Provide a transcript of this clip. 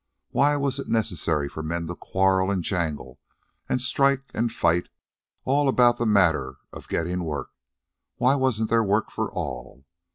Why was it necessary for men to quarrel and jangle, and strike and fight, all about the matter of getting work? Why wasn't there work for all?